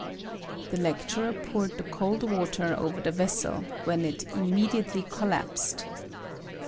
[The lecturer poured the cold water over the vessel, when it immediately collapsed.